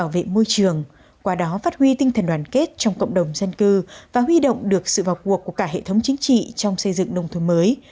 và huy động được sự vọc cuộc của cả hệ thống chính trị trong xây dựng nông thuận mới